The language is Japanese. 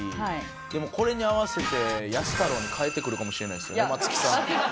でもこれに合わせてＹＡＳＵＴＡＲＯに変えてくるかもしれないですよね松木さん。